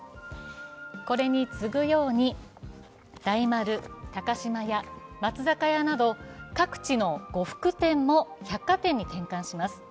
これに次ぐように、大丸、高島屋、松坂屋など各地の呉服店も百貨店に転換します。